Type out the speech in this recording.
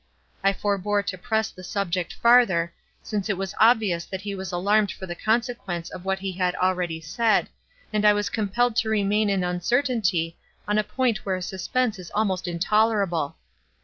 I forbore to press the subject farther, since it was obvious that he was alarmed for the consequence of what he had already said, and I was compelled to remain in uncertainty on a point where suspense is almost intolerable.